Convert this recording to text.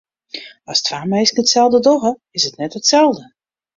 As twa minsken itselde dogge, is it net itselde.